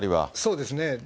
そうですね。